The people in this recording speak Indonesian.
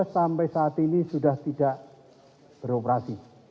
dua ribu dua belas sampai saat ini sudah tidak beroperasi